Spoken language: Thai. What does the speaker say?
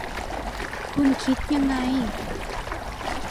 คุณคิดยังไง